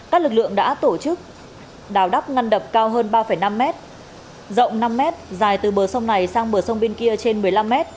các lực lượng đã tổ chức đào đắp ngăn đập cao hơn ba năm mét rộng năm m dài từ bờ sông này sang bờ sông bên kia trên một mươi năm m